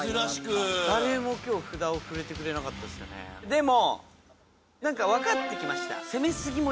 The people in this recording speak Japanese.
でも。